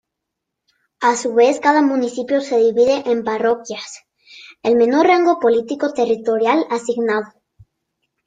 A su vez cada municipio se divide en parroquias, el menor rango político-territorial asignado.